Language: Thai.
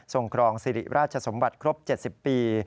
ครองสิริราชสมบัติครบ๗๐ปี